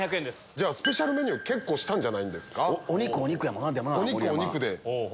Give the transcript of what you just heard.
じゃあスペシャルメニュー結構したんじゃないんですか。お肉お肉で。